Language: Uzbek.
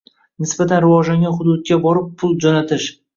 - nisbatan rivojlangan hududga borib pul jo‘natish